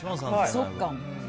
そっか。